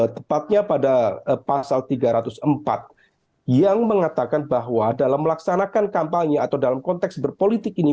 tepatnya pada pasal tiga ratus empat yang mengatakan bahwa dalam melaksanakan kampanye atau dalam konteks berpolitik ini